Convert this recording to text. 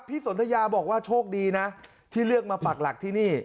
สนทยาบอกว่าโชคดีนะที่เลือกมาปากหลักที่นี่